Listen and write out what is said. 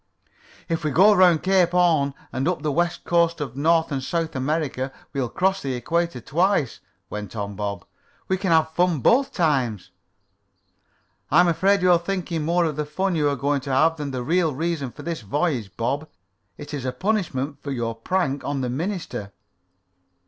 "If we go down around Cape Horn and up the west coast of North and South America we'll cross the equator twice," went on Bob. "We can have fun both times." "I'm afraid you're thinking more of the fun you are going to have than the real reason for this voyage, Bob. It is a punishment for your prank on the minister."